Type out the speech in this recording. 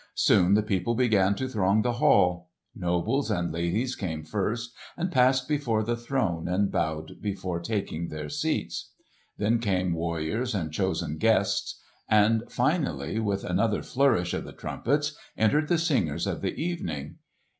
Soon the people began to throng the hall. Nobles and ladies came first and passed before the throne and bowed before taking their seats. Then came warriors and chosen guests. And finally with another flourish of the trumpets entered the singers of the evening.